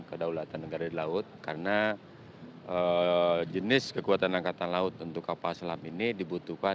kedaulatan negara di laut karena jenis kekuatan angkatan laut untuk kapal selam ini dibutuhkan